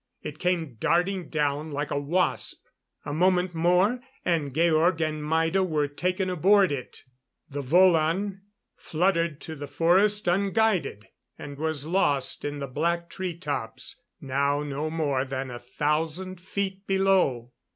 It came darting down like a wasp. A moment more, and Georg and Maida were taken aboard it. The volan fluttered to the forest unguided and was lost in the black treetops, now no more than a thousand feet below.